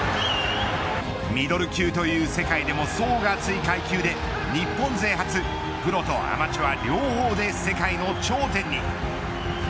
ミドル級という世界でも層が厚い階級で日本勢初プロとアマチュア両方で世界の頂点に。